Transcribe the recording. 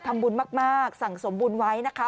ทำบุญมากสั่งสมบุญไว้นะคะ